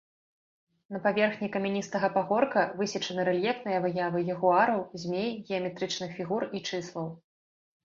На паверхні камяністага пагорка высечаны рэльефныя выявы ягуараў, змей, геаметрычных фігур і чыслаў.